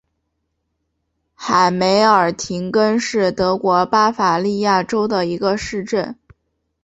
海梅尔廷根是德国巴伐利亚州的一个市镇。